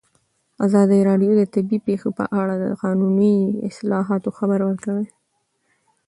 ازادي راډیو د طبیعي پېښې په اړه د قانوني اصلاحاتو خبر ورکړی.